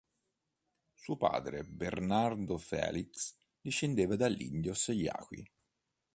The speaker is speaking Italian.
Suo padre, Bernardo Félix, discendeva dagli indios Yaqui.